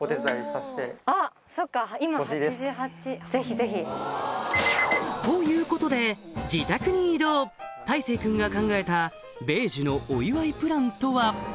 ぜひ。ということで自宅に移動大聖君が考えた米寿のお祝いプランとは？